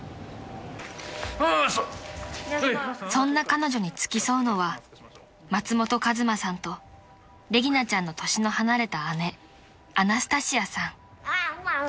［そんな彼女に付き添うのは松本和真さんとレギナちゃんの年の離れた姉］